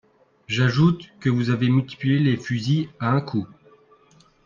J’ajoute que vous avez multiplié les fusils à un coup.